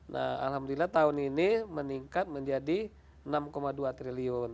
nah alhamdulillah tahun ini meningkat menjadi enam dua triliun